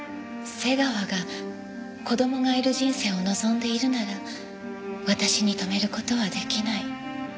瀬川が子供がいる人生を望んでいるなら私に止める事は出来ない。